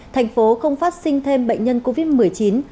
thành phố không phát sinh thêm bệnh nhân covid một mươi chín